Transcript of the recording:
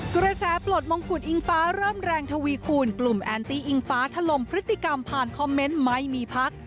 กระแสปลดมงกุฎอิงฟ้าเริ่มแรงทวีคูณกลุ่มแอนตี้อิงฟ้าถล่มพฤติกรรมผ่านคอมเมนต์ไม่มีพัก